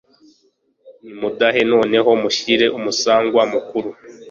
“Nimudahe noneho mushyire umusangwa mukuru